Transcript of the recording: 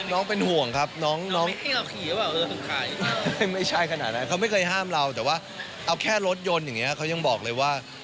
น้องเป็นห่วงครับน้องน้องเขาไม่เคยห้ามเราแต่ว่าเอาแค่รถยนต์อย่างเงี้ยเขายังบอกเลยว่า